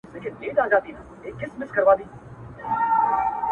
غټي داړي یې ښکاره کړې په خندا سو.!